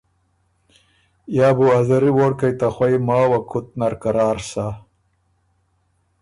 یا بو ا زری ووړکئ ته خوئ ماوه کُت نر قرار سۀ۔